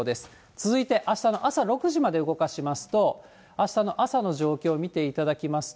続いてあしたの朝６時まで動かしますと、あしたの朝の状況を見ていただきますと。